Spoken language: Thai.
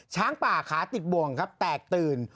ช้างป่าขาติดบวงแตกตื่น